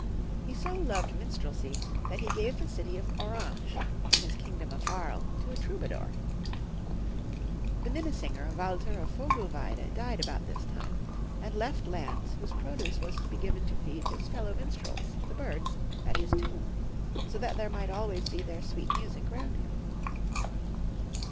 He so loved minstrelsy that he gave the city of Orange, in his kingdom of Aries, to a troubadour. The minne singer Walther of Vogelwiede died about this time, and left lands whose produce was to be given to feed his fellow minstrels the birds at his tomb, that so there might always be their sweet music round him.